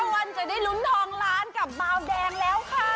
วันจะได้ลุ้นทองล้านกับเบาแดงแล้วค่ะ